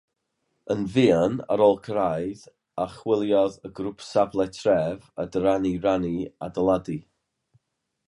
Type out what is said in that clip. Yn fuan ar ôl cyrraedd, archwiliodd y grŵp safle tref a dyrannu rhannau adeiladu.